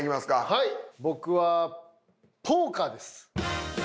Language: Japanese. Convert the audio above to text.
はい僕はポーカーです。